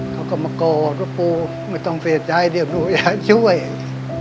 เขาก็มากอดว่าปูไม่ต้องเสียใจเดี๋ยวหนูอยากช่วย